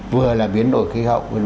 vừa là biến đổi khí hậu v v